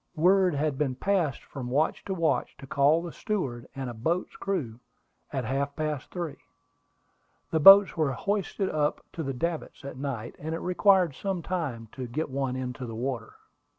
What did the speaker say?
Word had been passed from watch to watch to call the steward and a boat's crew at half past three. The boats were hoisted up to the davits at night, and it required some time to get one into the water.